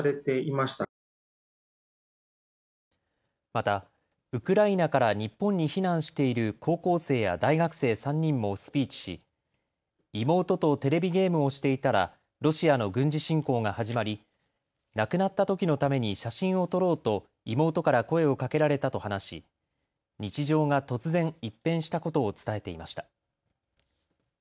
またウクライナから日本に避難している高校生や大学生３人もスピーチし妹とテレビゲームをしていたらロシアの軍事侵攻が始まり亡くなったときのために写真を撮ろうと妹から声をかけられたと話し日常が突然、一変したことを伝えていました。